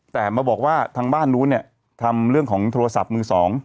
แต่มาบอกว่าทางบ้านนู้นเนี่ยทำเรื่องของโทรศัพท์มือสอง